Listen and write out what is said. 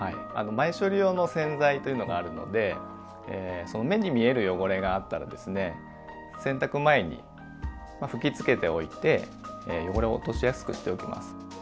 前処理用の洗剤というのがあるので目に見える汚れがあったら洗濯前に吹きつけておいて汚れを落としやすくしておきます。